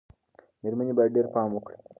مېرمنې باید ډېر پام وکړي.